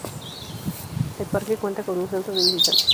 El parque cuenta con un centro de visitantes